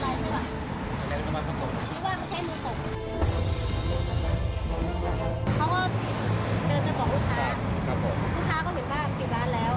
ลูกค้าก็เห็นบ้านกินร้านแล้ว